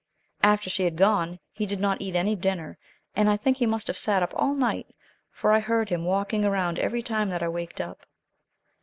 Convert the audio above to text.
After she had gone he did not eat any dinner, and I think that he must have sat up all night, for I heard him walking around every time that I waked up.